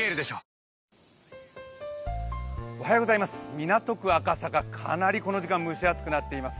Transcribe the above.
港区赤坂、かなりこの時間蒸し暑くなっています。